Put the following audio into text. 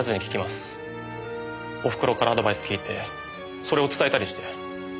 おふくろからアドバイス聞いてそれを伝えたりして。